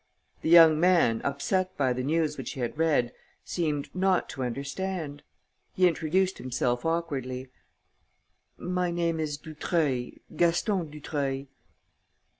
The young man, upset by the news which he had read, seemed not to understand. He introduced himself awkwardly: "My name is Dutreuil, Gaston Dutreuil."